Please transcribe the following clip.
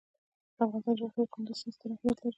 د افغانستان جغرافیه کې کندز سیند ستر اهمیت لري.